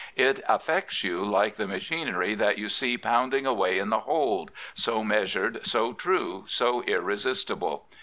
It affects you like the machinery that you see pounding away in the hold — so measured, so true, so irresistible.